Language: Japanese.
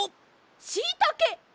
しいたけ！